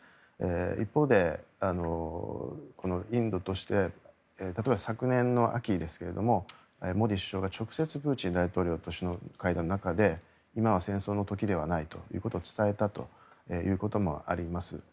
一方で、インドとして例えば昨年の秋ですがモディ首相が直接プーチン大統領と首脳会談の中で今は戦争の時ではないということを伝えたということもあります。